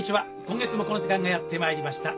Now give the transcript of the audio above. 今月もこの時間がやって参りました。